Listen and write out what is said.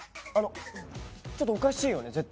あのちょっとおかしいよね